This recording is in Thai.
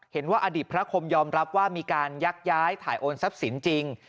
เห็นว่าอดีตพระคมยอมรับว่ามีการยักย้ายถ่ายโอนทรัพย์สินจริง